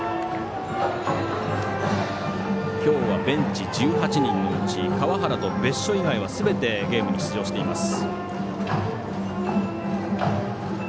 今日はベンチ１８人のうち川原と別所以外はすべてゲームに出場しています。